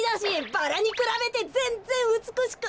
バラにくらべてぜんぜんうつくしく。